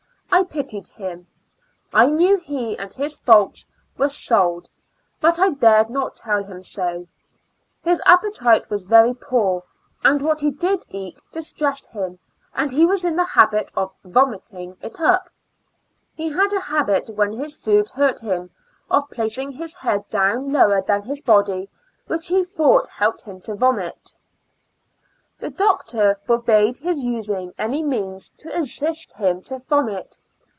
I pitied him; I knew he and his folks were sold, but I dared not tell him so. His IN A Lunatic Asylum. 155 appetite was very poor, and what he did eat distressed him, and he was in the habit of vomiting it up. He had a habit, when his food hm^t him, of placing his head down lower than his bod}^, which he thought helped him to vomit. The doctor forbade his using any means to assist him to vomit.